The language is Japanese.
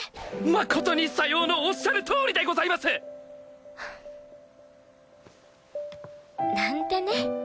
誠に左様のおっしゃるとおりでございます！なんてね。